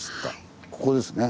ここですね。